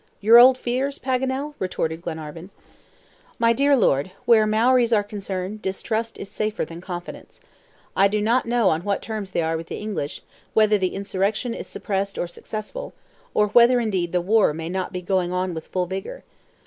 "Your old fears, Paganel!" retorted Glenarvan. "My dear Lord, where Maories are concerned, distrust is safer than confidence. I do not know on what terms they are with the English, whether the insurrection is suppressed or successful, or whether indeed the war may not be going on with full vigor.